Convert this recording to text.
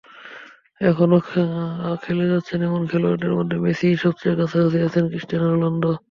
এখনো খেলে যাচ্ছেন এমন খেলোয়াড়দের মধ্যে মেসির সবচেয়ে কাছাকাছি আছেন ক্রিস্টিয়ানো রোনালদো।